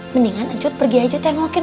mendingan ecut pergi aja tengokin